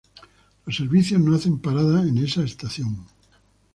Los servicios no hacen parada en esta estación.